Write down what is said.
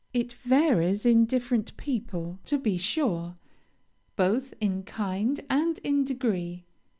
It varies in different people, to be sure, both in kind and in degree.